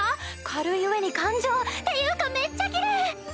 軽い上に頑丈！っていうかめっちゃキレイ！